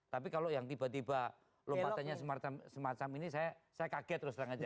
tapi kalau yang tiba tiba lompatannya semacam ini saya kaget terus terang aja